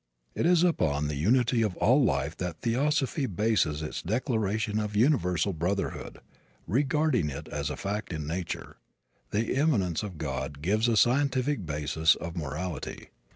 It is upon the unity of all life that theosophy bases its declaration of universal brotherhood, regarding it as a fact in nature. The immanence of God gives a scientific basis of morality.